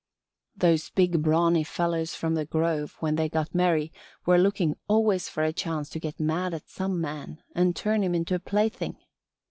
Those big, brawny fellows from the grove when they got merry were looking always for a chance to get mad at some man and turn him into a plaything.